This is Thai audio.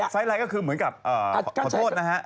ไซส์ไลน์ก็คือเหมือนกับขอโทษนะฮะ